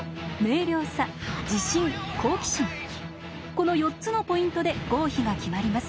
この４つのポイントで合否が決まります。